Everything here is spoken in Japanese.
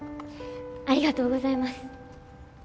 ありがとうございます。